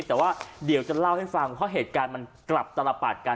แต่ว่าเดี๋ยวจะเล่าให้ฟังเพราะเหตุการณ์มันกลับตลปัดกัน